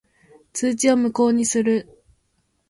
通知を無効にする。